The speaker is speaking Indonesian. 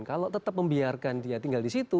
kalau tetap membiarkan dia tinggal di situ